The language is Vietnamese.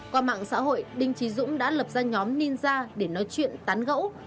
qua mạng xã hội đinh trí dũng đã lập ra nhóm ninza để nói chuyện tán gẫu